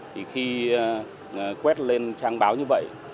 thì khi quét lên trang báo như vậy